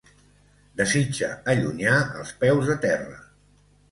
Desitja allunyar els peus de terra.